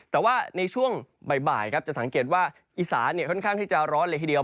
แต่ว่าในช่วงบ่ายครับจะสังเกตว่าอีสานค่อนข้างที่จะร้อนเลยทีเดียว